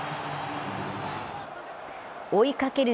追いかける